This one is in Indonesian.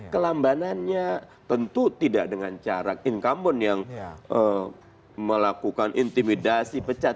kelambanannya tentu tidak dengan cara income one yang melakukan intimidasi pecah